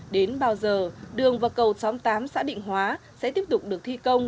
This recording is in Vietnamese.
đến bao giờ đường và cầu xóm tám xã định hóa sẽ tiếp tục được thi công